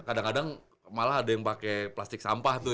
kadang kadang malah ada yang pakai plastik sampah tuh